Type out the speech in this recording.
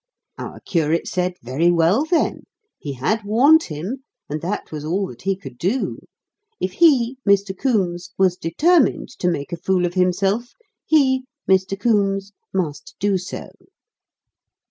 Our curate said very well then: he had warned him, and that was all that he could do. If he (Mr. Coombes) was determined to make a fool of himself, he (Mr. Coombes) must do so.